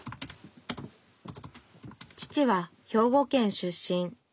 父は兵庫県出身。